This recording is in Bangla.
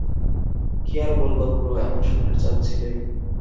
কী আর বলব পুরো, এমন সোনার চাঁদ ছেলে!